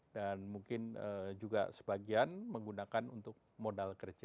dan mungkin juga sebagian menggunakan untuk modal kerja